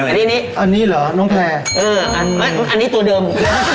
แล้วอันนี้อันนี้อันนี้เหรอน้องแพรเอออันอันอันนี้ตัวเดิม